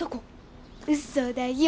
うそだよ。